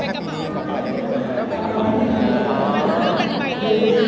อย่างน้อยครับ